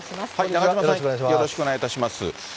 中島さん、よろしくお願いいたします。